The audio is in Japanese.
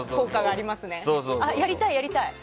あ、やりたいやりたい。